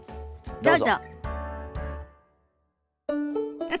どうぞ。